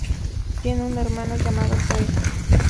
Tiene un hermano llamado Joel.